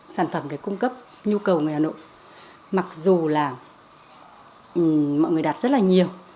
sản phẩm để cung cấp nhu cầu người hà nội mặc dù là mọi người đặt rất là nhiều